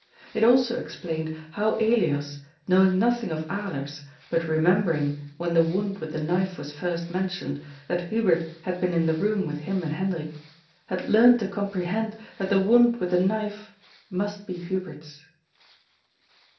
It also explained how Elias, knowing nothing of Alers, but remembering, when the wound with the knife was first mentioned, that Hubert had been in the room with him and Hendrik, had learnt to comprehend that the wound with the knife must be Hubert's.